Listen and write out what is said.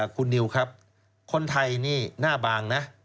คุณนิวครับคนไทยนี่หน้าบางนะ